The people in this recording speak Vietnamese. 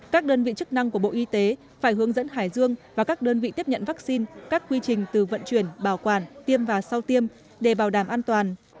các đơn vị chức năng của bộ y tế phải hướng dẫn hải dương và các đơn vị tiếp nhận vaccine các quy trình từ vận chuyển bảo quản tiêm và sau tiêm để bảo đảm an toàn